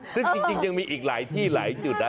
ซึ่งจริงยังมีอีกหลายที่หลายจุดนะ